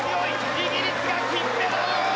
イギリスが金メダル！